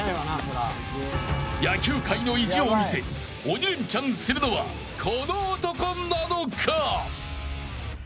野球界の意地を見せ鬼レンチャンするのはこの男なのか。